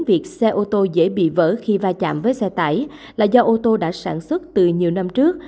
việc xe ô tô dễ bị vỡ khi va chạm với xe tải là do ô tô đã sản xuất từ nhiều năm trước